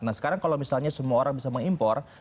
nah sekarang kalau misalnya semua orang bisa mengimpor